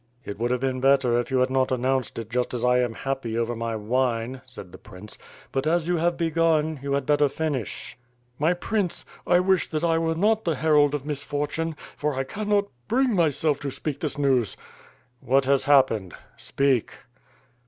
"It would have been better if you had not announced it just as I am happy over my wine/' said the prince, *T3ut as you have begun you had better finish." "My Prince, I wish that I were not the herald of misfor tune, for I cannot bring myself to speak this news." "What has happened, speak."